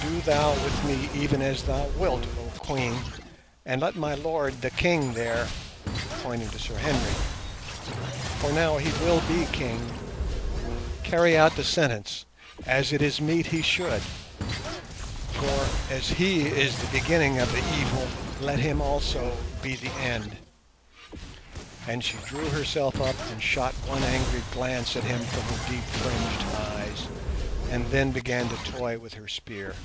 Do thou with me even as thou wilt, O Queen, and let my lord the King there" (pointing to Sir Henry)—"for now will he be King—carry out the sentence, as it is meet he should, for as he is the beginning of the evil, let him also be the end." And she drew herself up and shot one angry glance at him from her deep fringed eyes, and then began to toy with her spear.